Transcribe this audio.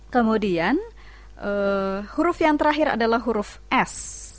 kemudian huruf yang terakhir adalah huruf s